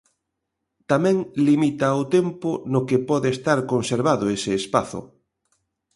Tamén limita o tempo no que pode estar conservado ese espazo.